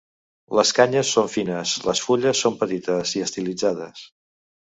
Les canyes són fines, les fulles són petites i estilitzades.